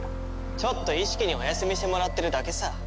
ちょっと意識にお休みしてもらってるだけさ。